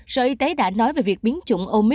sở y tế đã nói về việc biến chủng omic